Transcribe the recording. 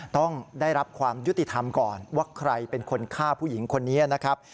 ต้องได้รับความยุติธรรมก่อนว่าใครเป็นคนฆ่าผู้หญิงคนนี้นะครับ